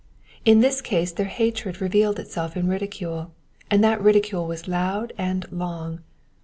In this case their hatred revealed itself in ridicule, and that ridicule was loud and lon^.